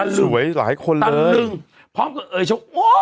สวยหลายคนเลยตั้งนึงพร้อมกันเอ่ยโอ้ย